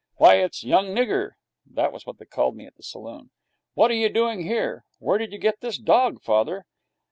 'Why, it's young Nigger!' That was what they called me at the saloon. 'What are you doing here? Where did you get this dog, father?'